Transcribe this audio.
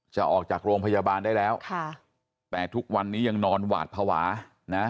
จะออกจากโรงพยาบาลได้แล้วค่ะแต่ทุกวันนี้ยังนอนหวาดภาวะนะ